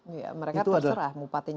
ya mereka terserah